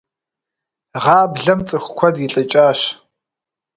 Гъаблэм цӏыху куэд илӏыкӏащ.